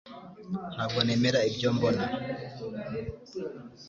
Ntabwo nemera ibyo mbona